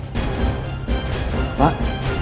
ya allah pak